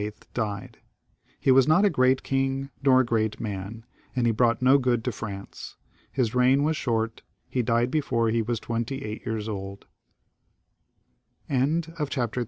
died. He was not a great king, nor a great man, and he brought no good to France. His reign was short; he died before he was twenty eight years old. 230 LOUIS XIL [CH.